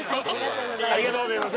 ありがとうございます。